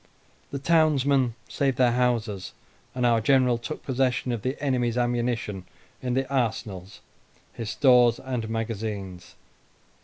The townsmen saved their houses, and our General took possession of the enemy's ammunition in the arsenals, his stores, and magazines.